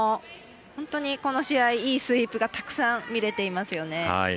本当にこの試合、いいスイープがたくさん見れていますよね。